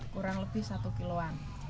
kurang lebih satu kilo an